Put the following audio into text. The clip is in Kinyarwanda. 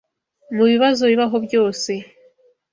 mu bibazo bibaho byose